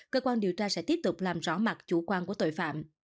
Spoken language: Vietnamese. cơ quan điều tra sẽ tiếp tục làm rõ mặt chủ quan của tội phạm